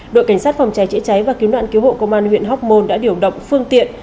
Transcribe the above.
đội cảnh sát phòng cháy chữa cháy và cứu nạn cứu hộ công an huyện hóc môn đã điều động phương tiện